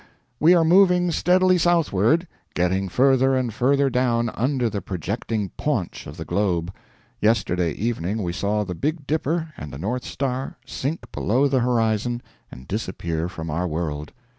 We are moving steadily southward getting further and further down under the projecting paunch of the globe. Yesterday evening we saw the Big Dipper and the north star sink below the horizon and disappear from our world.